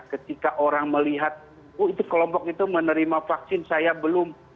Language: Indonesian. ketika orang melihat oh itu kelompok itu menerima vaksin saya belum